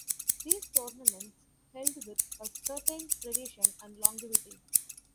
These tournaments held with a certain tradition and longevity.